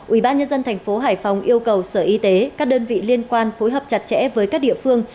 ubnd tp hải phòng yêu cầu sở y tế các đơn vị liên quan phối hợp chặt chẽ với các địa phương